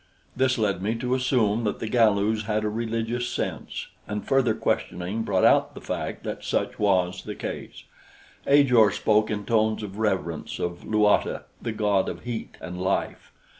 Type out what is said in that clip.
This led me to assume that the Galus had a religious sense, and further questioning brought out the fact that such was the case. Ajor spoke in tones of reverence of Luata, the god of heat and life.